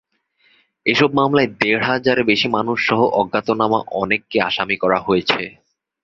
এসব মামলায় দেড় হাজারের বেশি মানুষসহ অজ্ঞাতনামা অনেককে আসামি করা হয়েছে।